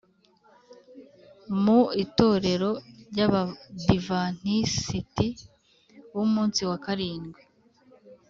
mu itorero ry’abadivantisiti b’umunsi wa karindwi,